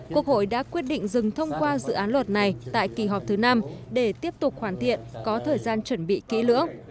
quốc hội đã quyết định dừng thông qua dự án luật này tại kỳ họp thứ năm để tiếp tục hoàn thiện có thời gian chuẩn bị kỹ lưỡng